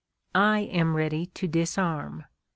I am ready to disarm.